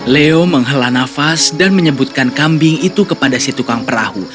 leo menghela nafas dan menyebutkan kambing itu kepada si tukang perahu